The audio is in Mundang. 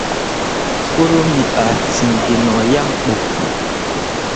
Forummi ah ciŋ gi no yaŋ ɓo.